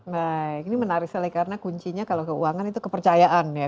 baik ini menarik sekali karena kuncinya kalau keuangan itu kepercayaan ya